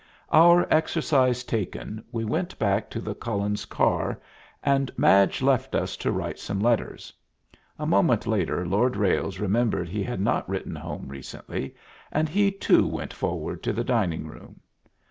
Our exercise taken, we went back to the Cullens' car, and Madge left us to write some letters. A moment later Lord Ralles remembered he had not written home recently, and he too went forward to the dining room.